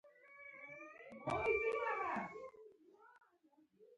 هغه د خپلې کورنۍ سره مینه لرله خو بې پروا و